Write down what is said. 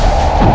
aku sudah menang